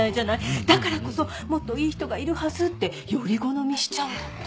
だからこそもっといい人がいるはずってより好みしちゃうんだって。